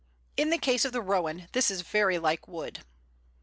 In the case of the Rowan this is very like wood.